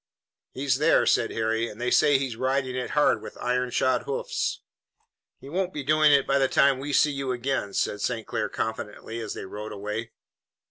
"He's there," said Harry, "and they say that he's riding it hard with ironshod hoofs." "He won't be doing it by the time we see you again," said St. Clair confidently as they rode away.